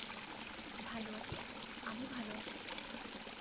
ভালো আছি, আমি ভালো আছি।